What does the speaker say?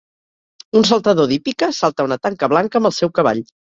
Un saltador d'hípica salta una tanca blanca amb el seu cavall.